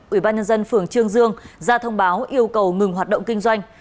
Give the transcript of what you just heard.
ủy ban nhân dân phường trương dương ra thông báo yêu cầu ngừng hoạt động kinh doanh